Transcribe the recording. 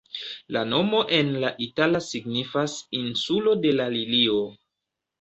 La nomo en la itala signifas "insulo de la lilio".